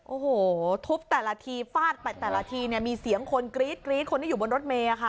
โอ้โหทุบแต่ละทีฟาดไปแต่ละทีเนี่ยมีเสียงคนกรี๊ดคนที่อยู่บนรถเมย์ค่ะ